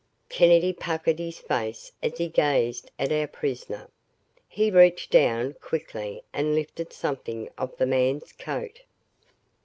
Kennedy puckered his face as he gazed at our prisoner. He reached down quickly and lifted something off the man's coat.